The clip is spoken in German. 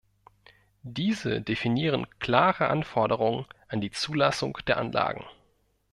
Diese definieren klare Anforderungen an die Zulassung der Anlagen.